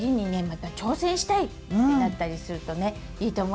「また挑戦したい」ってなったりするとねいいと思います。